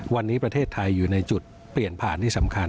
วันนี้ประเทศไทยอยู่ในจุดเปลี่ยนผ่านที่สำคัญ